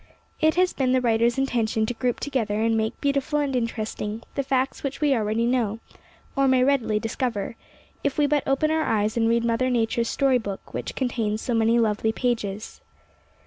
It has been the writer's intention to group together and make beautiful and interesting the facts which we already know, or may readily discover, if we but open our eyes and read Mother Nature's story book, which con tains so many lovely pages.